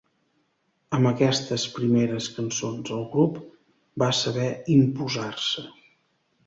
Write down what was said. Amb aquestes primeres cançons el grup va saber imposar-se.